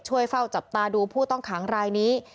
เฝ้าจับตาดูผู้ต้องขังรายนี้